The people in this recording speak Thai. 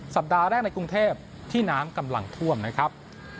สัปดาห์แรกในกรุงเทพที่น้ำกำลังท่วมนะครับ